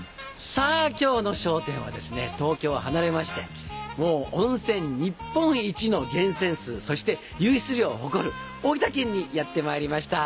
さぁ今日の『笑点』はですね東京を離れまして温泉日本一の源泉数そして湧出量を誇る大分県にやってまいりました。